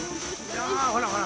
あほらほら